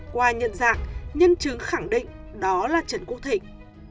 qua nhận dạng nhân chứng khẳng định đó là trần quốc thịnh